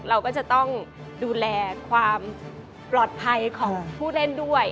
เราก็จะต้องดูแลความปลอดภัยของผู้เล่นด้วย